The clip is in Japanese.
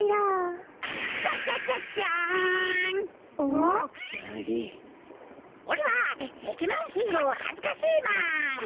おれはせきめんヒーローはずかしいマン！